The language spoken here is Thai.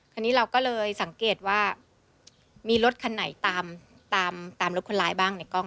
คราวนี้เราก็เลยสังเกตว่ามีรถคันไหนตามตามรถคนร้ายบ้างในกล้อง